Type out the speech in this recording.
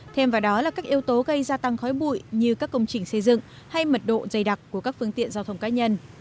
thêm vào đó là các yếu tố gây gia tăng khói bụi như các công trình xây dựng hay mật độ dày đặc của các phương tiện giao thông cá nhân